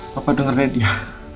papa dengerin dia